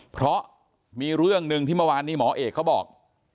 เพราะมีเรื่องหนึ่งที่เมื่อวานนี้หมอเอกเขาบอก